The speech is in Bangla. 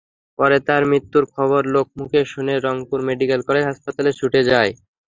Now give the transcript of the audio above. পরে তাঁর মৃত্যুর খবর লোকমুখে শুনে রংপুর মেডিকেল কলেজ হাসপাতালে ছুটে যাই।